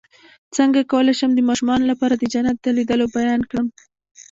څنګه کولی شم د ماشومانو لپاره د جنت د لیدلو بیان کړم